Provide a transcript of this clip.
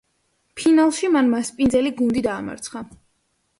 ფინალში მან მასპინძელი გუნდი დაამარცხა.